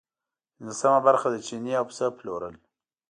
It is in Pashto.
پنځلسمه برخه د چیني او پسه پلورل.